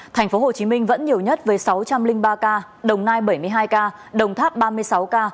thành phố hồ chí minh vẫn nhiều nhất với sáu trăm linh ba ca đồng nai bảy mươi hai ca đồng tháp ba mươi sáu ca